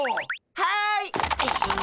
はい！